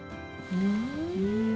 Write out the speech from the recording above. うん。